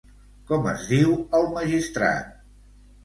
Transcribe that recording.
Com es diu el magistrat?